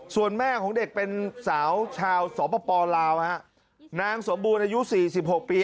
ส่วนแม่ของเด็กเป็นสาวชาวสปลาวฮะนางสมบูรณ์อายุ๔๖ปี